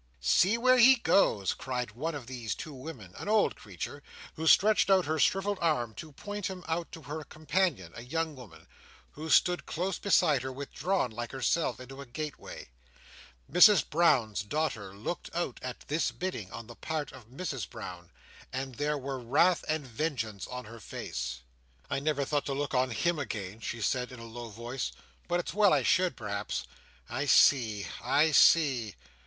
"See where he goes!" cried one of these two women, an old creature, who stretched out her shrivelled arm to point him out to her companion, a young woman, who stood close beside her, withdrawn like herself into a gateway. Mrs Brown's daughter looked out, at this bidding on the part of Mrs Brown; and there were wrath and vengeance in her face. "I never thought to look at him again," she said, in a low voice; "but it's well I should, perhaps. I see. I see!"